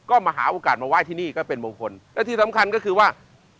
ก็มาหาโอกาสมาไหว้ที่นี่ก็เป็นมงคลและที่สำคัญก็คือว่า